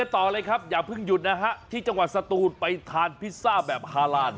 ต่อเลยครับอย่าเพิ่งหยุดนะฮะที่จังหวัดสตูนไปทานพิซซ่าแบบฮาลาน